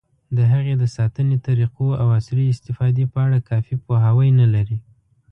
د هغې د ساتنې طریقو، او عصري استفادې په اړه کافي پوهاوی نه لري.